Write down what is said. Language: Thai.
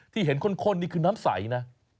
ที่เห็นข้นนี่คือน้ำใสนะ